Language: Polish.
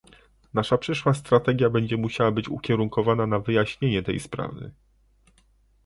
Nasza przyszła strategia będzie musiała być ukierunkowana na wyjaśnienie tej sprawy